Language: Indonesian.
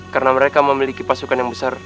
karena mereka memiliki pasukan yang besar